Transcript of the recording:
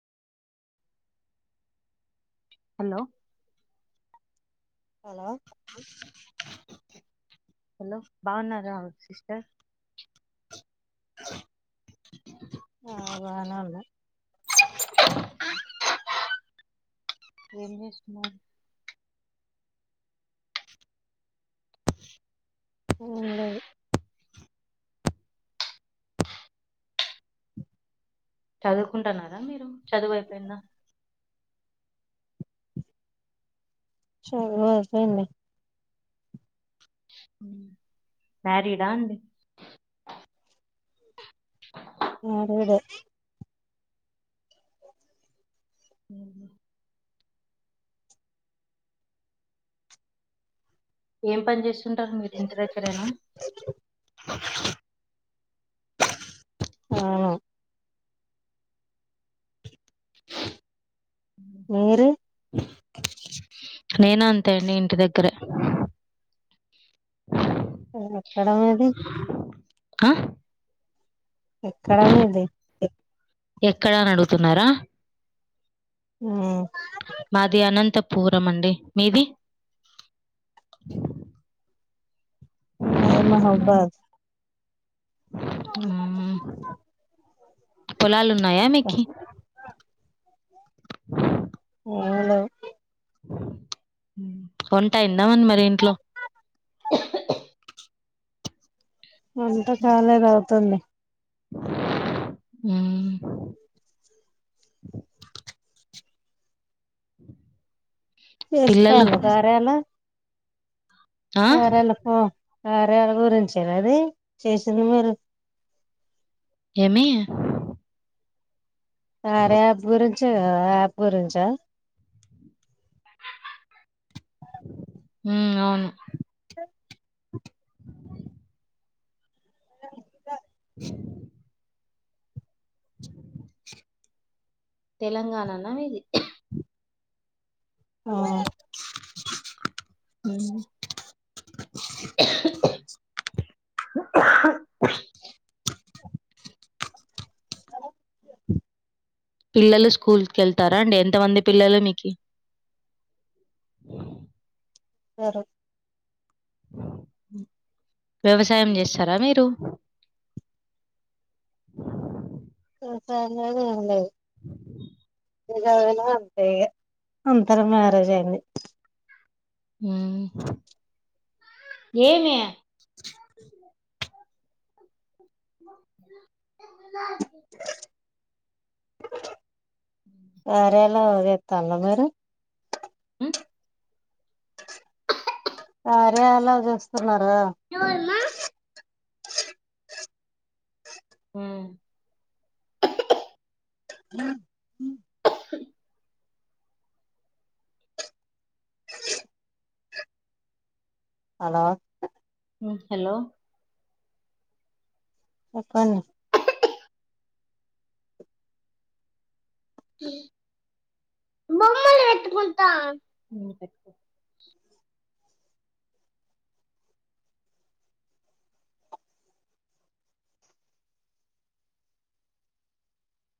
Hello hello hello బాగున్నారా sister ఆ బానేఉన్నాం ఏం చేస్తున్నారు ఏం లేదు చదువుకుంటున్నారా మీరు చదువు అయిపోయిందా చోవు అయిపోయింది అ మ్యారీడా అండి మరేదే ఉ ఏం పని చేస్తుంటారు మీరు ఇంటి దగ్గరేనా ఆ మీరు నేను అంతే అండి ఇంటి దగ్గరే ఎక్కడ మీది ఆ ఎక్కడ మీది ఎక్కడా అని అడుగుతున్నారా ఆ మాది అనంతపురం అండి మీది ఇయ్యి మెహేబ్బాద్ పొలాలు ఉన్నాయా మీకి ఆ లేవు వంటాయిందా మరి ఇంట్లో ఎంత చాలాగా అవుతుంది మ్ పిల్లలు చేస్తాను గార్యాల ఆ ఆరేళ్ళ పో ఆరయళ్ళ గురించే గాదు, చేసింది మీరు. ఏమి సర యాప్ గురించా యాప్ గురించా మ్ అవును తెలంగాణనా నీది ఆ అ పిల్లలు స్కూల్కి వెళ్తారా అండి ఎంతమంది పిల్లలు మీకి వర వ్యవసాయం చేస్తారా మీరు ఇంకా ఏం లేదు ఏం లేదు అ అంతే అంతర మ్యారేజ్ ఆవి మ్ ఏమే [unintelligible] వరల [unintelligible] మీరు హ్మ్ ఆరాలా చేూస్తున్నారా చోలీ మ్ మ్ హలో ఉం హలో చెప్పండి బొమ్మలు ఎటుకుంట [unintelligible]